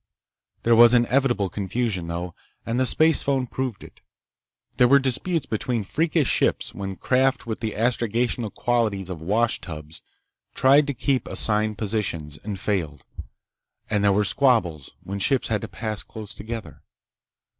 There was inevitable confusion, though, and the spacephone proved it. There were disputes between freakish ships when craft with the astrogational qualities of washtubs tried to keep assigned positions, and failed, and there were squabbles when ships had to pass close together.